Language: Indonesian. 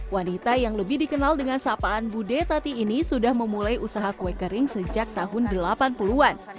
wanita yang lebih dikenal dengan sapaan bude tati ini sudah memulai usaha kue kering sejak tahun delapan puluh an